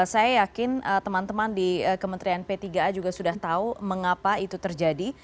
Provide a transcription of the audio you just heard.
saya yakin teman teman di kementerian p tiga a juga sudah tahu mengapa itu terjadi